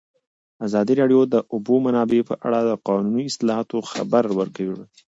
ازادي راډیو د د اوبو منابع په اړه د قانوني اصلاحاتو خبر ورکړی.